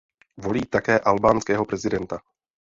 Volí také albánského prezidenta.